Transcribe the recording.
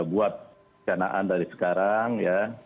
buat kenaan dari sekarang ya